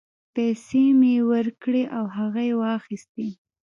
پیسې مې یې ورکړې او هغه یې واخیستې.